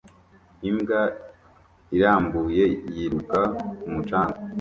Imbwa irambuye yiruka ku mucanga